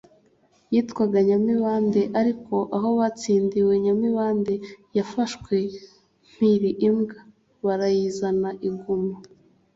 yitwaga nyamibande. ariko aho batsindiwe, nyamibande yafashwe mhiri, ibwami barayizana, iguma